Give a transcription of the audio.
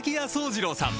惣次郎さん